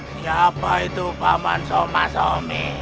siapa itu paman soma sami